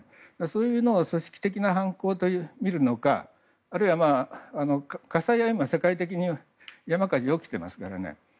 そういうのを組織的な犯行とみるのかあるいは火災は世界的に今山火事が起きてますからね。